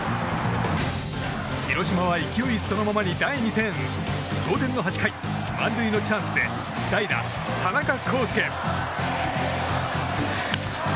広島は勢いそのままに第２戦同点の８回満塁のチャンスで代打、田中広輔。